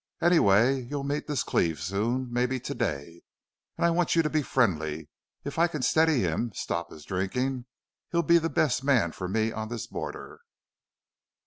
Anyway, you'll meet this Cleve soon, maybe to day, and I want you to be friendly. If I can steady him stop his drinking he'll be the best man for me on this border."